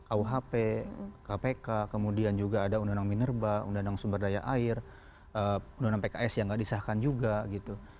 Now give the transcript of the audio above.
kuhp kpk kemudian juga ada undang undang minerba undang undang sumber daya air undang undang pks yang nggak disahkan juga gitu